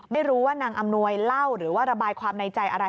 ไม่รู้ว่านางอำนวยเล่าหรือว่าระบายความในใจอะไร